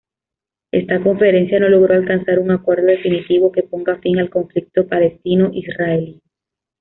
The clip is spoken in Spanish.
Esta conferencia no logró alcanzar un acuerdo definitivo que ponga fin al conflicto palestino-israelí.